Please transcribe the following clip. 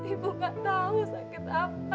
ibu gak tahu sakit apa